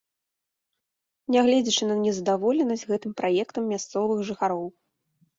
Нягледзячы на незадаволенасць гэтым праектам мясцовых жыхароў.